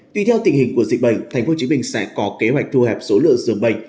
tùy theo tình hình của dịch bệnh tp hcm sẽ có kế hoạch thu hẹp số lượng dương bệnh